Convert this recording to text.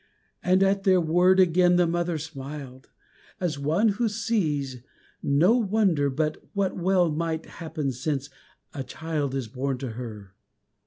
And at their word Again the mother smiled, as one who sees No wonder but what well might happen since A child is born to her.